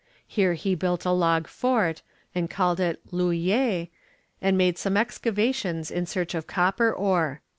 Here he built a log fort, and called it L'Hullier, and made some excavations in search of copper ore.